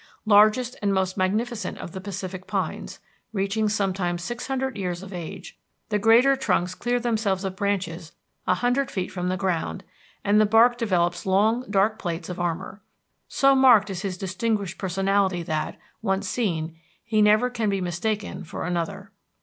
Largest and most magnificent of the Pacific pines, reaching sometimes six hundred years of age, the greater trunks clear themselves of branches a hundred feet from the ground, and the bark develops long dark plates of armor. So marked is his distinguished personality that, once seen, he never can be mistaken for another.